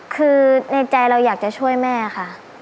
คือในใจเราอยากจะช่วยแม่ค่ะ